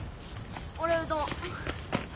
俺うどん！